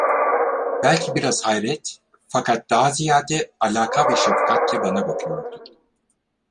Belki biraz hayret, fakat daha ziyade, alaka ve şefkatle bana bakıyordu.